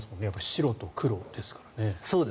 白と黒ですからね。